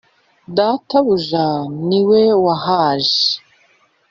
Data buja niwe wahaje.